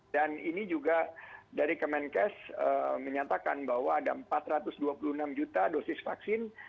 dan ini juga dari kemenkes menyatakan bahwa ada empat ratus dua puluh enam juta dosis vaksin